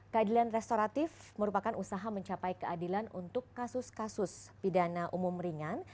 keadilan restoratif merupakan usaha mencapai keadilan untuk kasus kasus pidana umum ringan